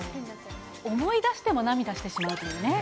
思い出しても涙してしまうというね。